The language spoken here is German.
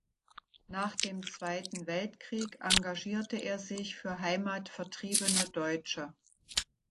Nach dem Zweiten Weltkrieg engagierte er sich für heimatvertriebene Deutsche.